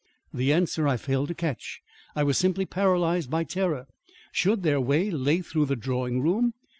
The answer I failed to catch. I was simply paralysed by terror. Should their way lay through the drawing room!